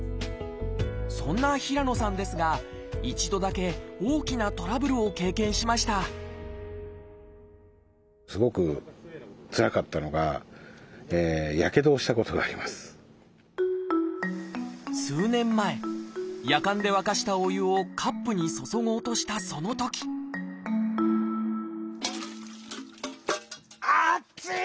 そんな平野さんですが一度だけ大きなトラブルを経験しました数年前やかんで沸かしたお湯をカップに注ごうとしたそのとき熱い！